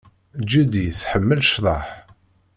Judy tḥemmel ccḍeḥ.